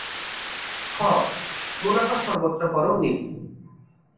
খ. মুনাফা সর্বোচ্চকরণ নীতি